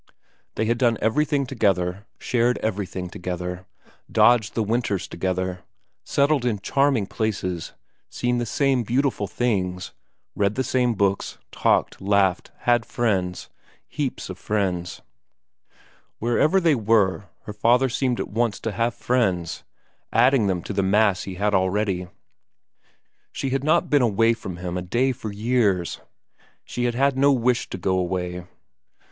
They had done everything together, shared everything together, dodged the winters together, settled in charming places, seen the same beautiful things, read the same books, talked, laughed, had friends, heaps of friends ; wherever they were her father seemed at once to have friends, adding them to the mass he had already. She had not been away from him a day for years ; she had had no wish to go away.